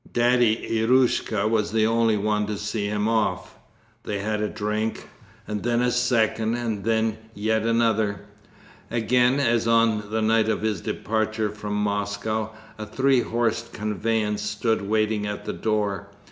Daddy Eroshka was the only one to see him off. They had a drink, and then a second, and then yet another. Again as on the night of his departure from Moscow, a three horsed conveyance stood waiting at the door.